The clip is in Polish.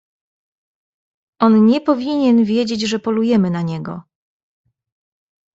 "On nie powinien wiedzieć, że polujemy na niego."